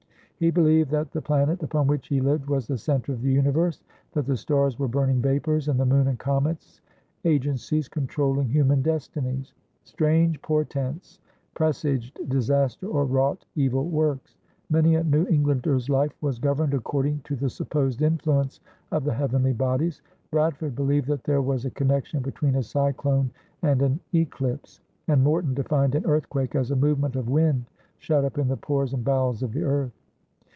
He believed that the planet upon which he lived was the center of the universe, that the stars were burning vapors, and the moon and comets agencies controlling human destinies. Strange portents presaged disaster or wrought evil works. Many a New Englander's life was governed according to the supposed influence of the heavenly bodies; Bradford believed that there was a connection between a cyclone and an eclipse; and Morton defined an earthquake as a movement of wind shut up in the pores and bowels of the earth.